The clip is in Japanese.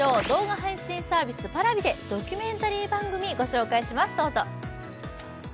動画配信サービスＰａｒａｖｉでドキュメンタリー番組をご紹介します。